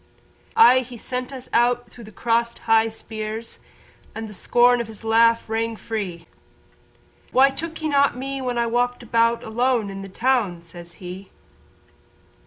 Aye he sent us out through the crossed high spears And the scorn of his laugh rang free, "Why took ye not me when I walked about Alone in the town?" says he.